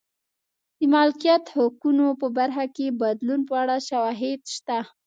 د مالکیت حقونو په برخه کې بدلون په اړه شواهد شته.